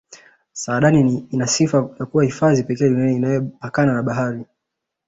saadani ina sifa ya kuwa hifadhi pekee duniani inayopakana na bahari